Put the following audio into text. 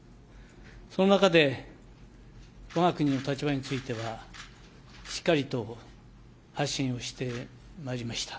その中でわが国の立場については、しっかりと発信をしてまいりました。